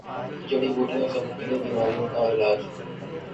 جڑی بوٹیوں سےمختلف بیماریوں کا علاج